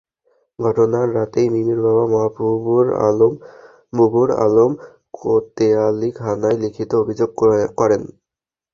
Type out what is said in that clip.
ঘটনার রাতেই মিমির বাবা মাহবুবুর আলম কোতোয়ালি থানায় লিখিত অভিযোগ করেন।